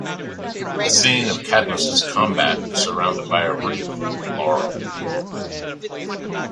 The scene of Cadmus's combat is surrounded by a wreath of laurel.